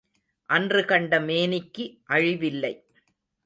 அன்று கண்ட மேனிக்கு அழிவில்லை.